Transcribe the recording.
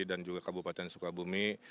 dan juga kabupaten sukabumi